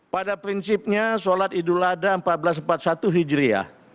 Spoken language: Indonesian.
pada prinsipnya sholat idul adha seribu empat ratus empat puluh satu hijriah